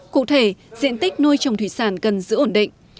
cụ thể diện tích nuôi trồng thủy sản cần giữ ổn định